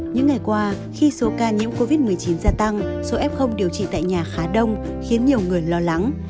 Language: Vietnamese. những ngày qua khi số ca nhiễm covid một mươi chín gia tăng số f điều trị tại nhà khá đông khiến nhiều người lo lắng